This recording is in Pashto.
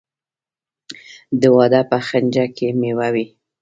د واده په خنچه کې میوه وي.